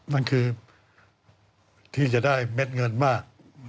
มันคือที่จะได้เม็ดเงินมาก